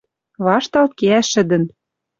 Вашталт кеӓ шӹдӹн.